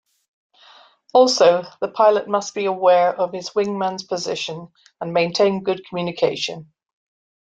Also, the pilot must be aware of his wingman's position, and maintain good communication.